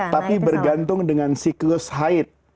tapi bergantung dengan siklus haid